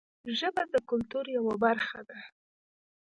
ژبه د کلتور یوه برخه ده